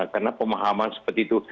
karena pemahaman seperti itu